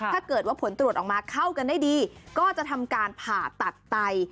ถ้าเกิดว่าผลตรวจออกมาเข้ากันได้ดีก็จะทำการผ่าตัดไต